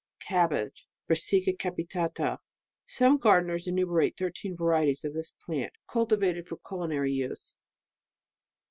Cabbage ..•. Brassica capitata. [Some gardeners enumerate thirteen varieties of this plant, cultivated for culi nary use.